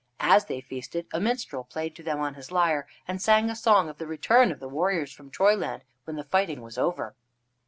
As they feasted a minstrel played to them on his lyre, and sang a song of the return of the warriors from Troyland when the fighting was over.